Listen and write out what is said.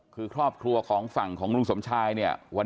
คือครอบครัวของฝั่งของลุงสลกชาย